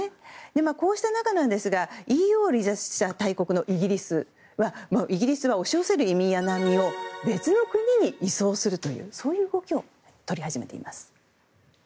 こうした中、ＥＵ大国イギリスに押し寄せる移民・難民を別の国に移送するというそういう動きを取り始めています。